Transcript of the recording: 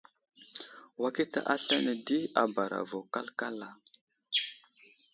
Wakita aslane di a bara vo kalkala.